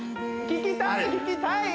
聞きたい